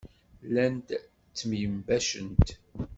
Llant ttemyenbacent.